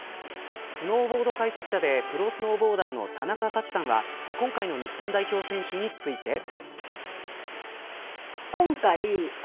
スノーボード解説者でプロスノーボーダーの田中幸さんは今回の日本代表選手について。